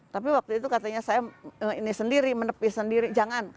tapi waktu itu katanya saya ini sendiri menepis sendiri jangan